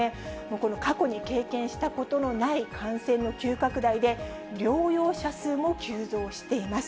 この過去に経験したことのない感染の急拡大で、療養者数も急増しています。